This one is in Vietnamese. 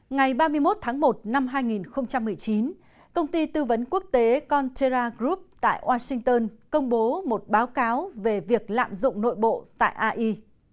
ngày ba mươi một tháng một năm hai nghìn một mươi chín công ty tư vấn quốc tế contera group tại washington công bố một báo cáo về việc lạm dụng nội bộ tại ai